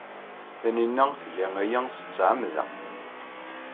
Tanina tga aya s tmeɛmada.